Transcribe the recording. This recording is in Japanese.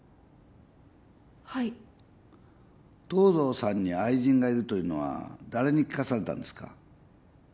はい藤堂さんに愛人がいるというのは誰に聞かされたんですか？